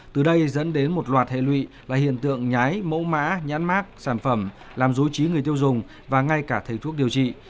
từ đây dẫn đến một loạt hệ lụy là hiện tượng nhái mẫu mã nhãn mát sản phẩm làm dối trí người tiêu dùng và ngay cả thầy thuốc điều trị